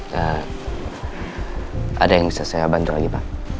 dan ada yang bisa saya bantu lagi pak